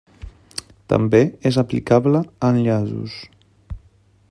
També és aplicable a enllaços.